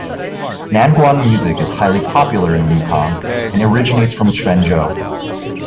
Nanguan music is highly popular in Lukang and originates from Quanzhou.